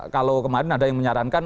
kalau kemarin ada yang menyarankan